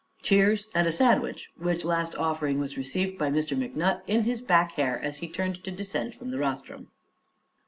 (Cheers and a sandwich, which last offering was received by Mr. McNutt in his back hair as he turned to descend from the rostrum.)